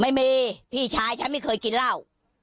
ไม่มีพี่ชายฉันไม่เคยกินเหล้า